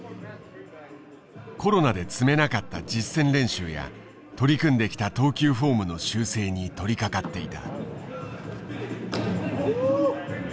コロナで積めなかった実戦練習や取り組んできた投球フォームの修正に取りかかっていた。